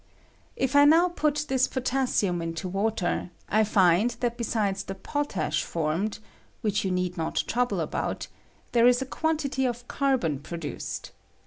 If I now put this potassium into water, I find that besides the potash formed (which joa need not trouble about) there is a quantity of carbon produced.